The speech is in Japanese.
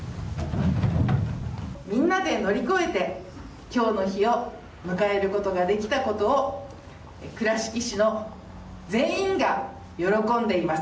みんなで乗り越えてきょうの日を迎えることができたことを倉敷市の全員が喜んでいます。